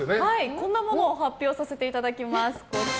こんなものを発表させていただきます。